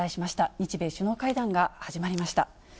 日米首脳会談が始まりました。